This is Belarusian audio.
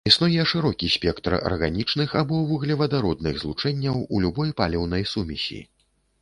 Існуе шырокі спектр арганічных або вуглевадародных злучэнняў у любой паліўнай сумесі.